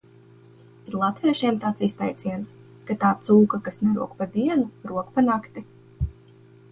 Ir latviešiem tāds izteiciens, ka tā cūka, kas nerok pa dienu, rok pa nakti.